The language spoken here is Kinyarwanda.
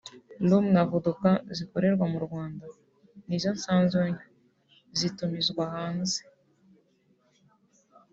Rum na Vodka zikorerwa mu Rwanda n’izo nsanzwe nywa zitumizwa hanze